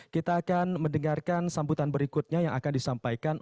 kita akan mendengarkan sambutan berikutnya yang akan disampaikan